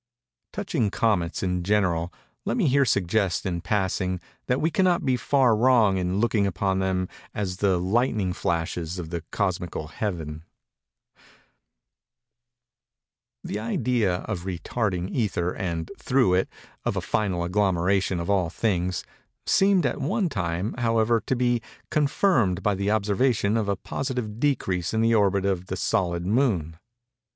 —Touching comets, in general, let me here suggest, in passing, that we cannot be far wrong in looking upon them as the lightning flashes of the cosmical Heaven. The idea of a retarding ether and, through it, of a final agglomeration of all things, seemed at one time, however, to be confirmed by the observation of a positive decrease in the orbit of the solid moon.